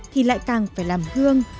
thì lại càng phải làm hương